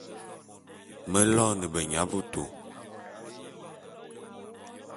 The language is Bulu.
Me loene benyabôtô.